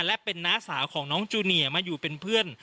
และเป็นน้าสาวของน้องจูเนียมาอยู่เป็นเพื่อน